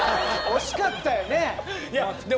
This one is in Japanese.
惜しかったよね。